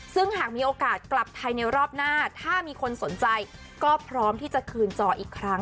ซึ่งหากมีโอกาสกลับไทยในรอบหน้าถ้ามีคนสนใจก็พร้อมที่จะคืนจออีกครั้ง